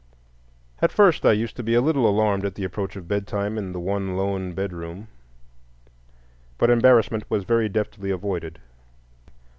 At first I used to be a little alarmed at the approach of bedtime in the one lone bedroom, but embarrassment was very deftly avoided.